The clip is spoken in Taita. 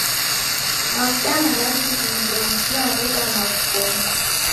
Mavuda malazi vindonyi ghiareda maw'ukongo.